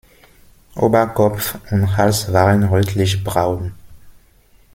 Oberkopf und Hals waren rötlichbraun.